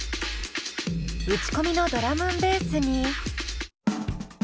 打ち込みのドラムンベースに。